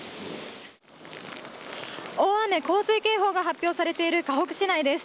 大雨・洪水警報が発表されているかほく市ないです。